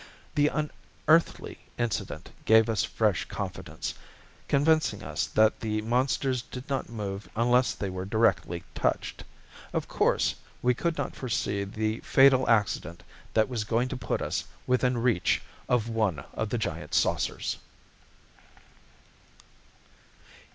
The unearthly incident gave us fresh confidence, convincing us that the monsters did not move unless they were directly touched. Of course we could not foresee the fatal accident that was going to put us within reach of one of the giant saucers.